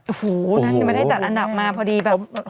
โอ้โหนั่นยังไม่ได้จัดอันดับมาพอดีแบบ